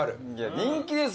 人気ですよ